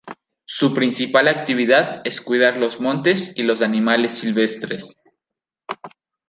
Su principal actividad es cuidar los montes y los animales silvestres.